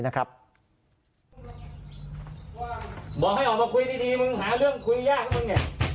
บอกให้ออกมาคุยทีมึงหาเรื่องคุยแย่ขึ้นนะคุณเนี่ย